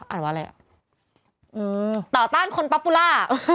อ่านว่าอะไรต่อต้านคนป๊อปปูล่า